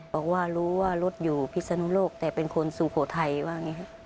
บอกว่ารู้ว่ารถอยู่พิศนุโลกแต่เป็นคนสุโขทัยว่าอย่างนี้ครับ